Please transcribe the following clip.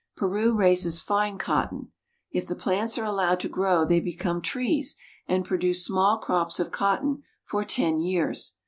Peru raises fine cotton. If the plants are allowed to grow they become trees and produce small crops of cotton for ten years.